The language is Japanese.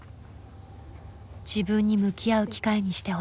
自分に向き合う機会にしてほしい。